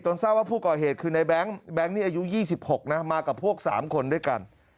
ตอนเศร้าว่าผู้เกราะเหตุคือในแบงค์แบงค์นี้อายุ๒๖นะมากับพวก๓คนด้วยกัน